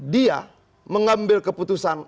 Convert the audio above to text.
dia mengambil keputusan